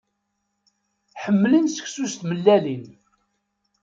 Ḥemmlen seksu s tmellalin.